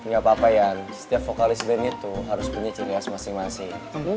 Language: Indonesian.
gak apa apa ian setiap vokalis ben itu harus punya ciri has masing masing